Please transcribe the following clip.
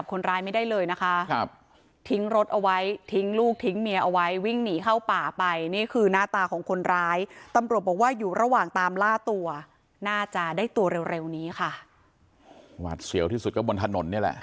เพราะว่าเขาก็ตกใจเนอะว่าเกิดอะไรขึ้น